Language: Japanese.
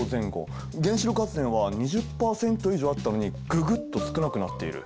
原子力発電は２０％以上あったのにググッと少なくなっている。